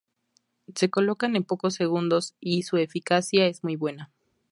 Se colocan en pocos segundos y su eficacia es muy buena.